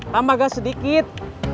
tambah gas sedikit